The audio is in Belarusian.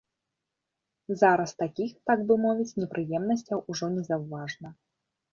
Зараз такіх, так бы мовіць, непрыемнасцяў ужо незаўважна.